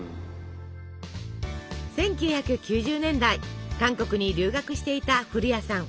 １９９０年代韓国に留学していた古家さん。